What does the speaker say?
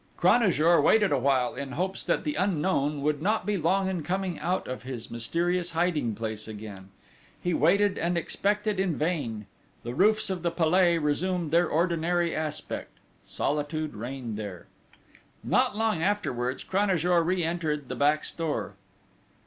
Cranajour waited a while in hopes that the unknown would not be long in coming out of his mysterious hiding place again. He waited and expected in vain: the roofs of the Palais resumed their ordinary aspect: solitude reigned there. Not long afterwards Cranajour re entered the back store.